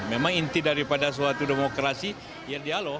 memang inti daripada suatu demokrasi ya dialog